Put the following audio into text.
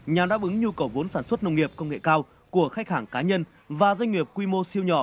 nhằm đáp ứng nhu cầu vốn sản xuất nông nghiệp công nghệ cao của khách hàng cá nhân và doanh nghiệp quy mô siêu nhỏ